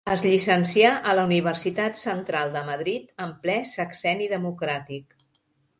Es llicencià a la Universitat Central de Madrid en ple sexenni democràtic.